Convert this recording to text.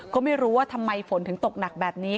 ก็ไม่รู้ว่าทำไมฝนถึงตกหนักแบบนี้